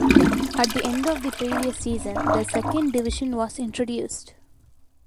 At the end of the previous season the second division was introduced.